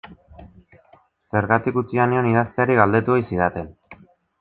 Zergatik utzia nion idazteari galdetu ohi zidaten.